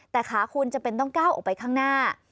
แต่ขาคุณจำเป็นต้องก้าวออกไปข้างหน้า